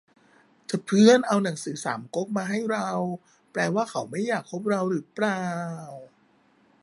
ถ้าเพื่อนเอาหนังสือสามก๊กมาให้เรา แปลว่าเขาไม่อยากคบเราหรือเปล่า